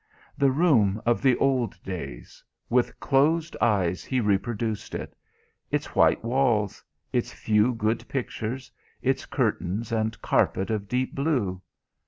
The room of the old days with closed eyes he reproduced it; its white walls, its few good pictures, its curtains and carpet of deep blue.